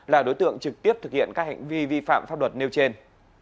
là đối tượng trực tiếp thực hiện các hành vi vi phạm pháp luật nêu trên